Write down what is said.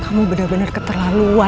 kamu bener bener keterlaluan